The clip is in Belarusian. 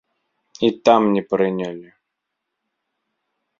І там не прынялі.